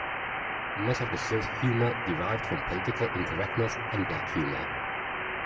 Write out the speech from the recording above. Much of the show's humour derived from political incorrectness and black humour.